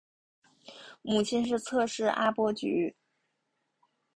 母亲是侧室阿波局。